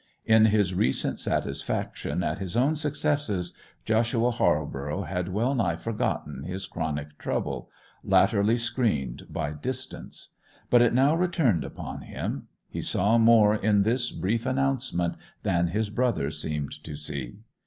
In his recent satisfaction at his own successes Joshua Halborough had well nigh forgotten his chronic trouble—latterly screened by distance. But it now returned upon him; he saw more in this brief announcement than his brother seemed to see.